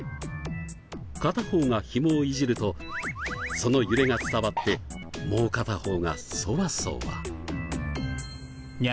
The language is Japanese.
片方がひもをいじるとその揺れが伝わってもう片方がソワソワ。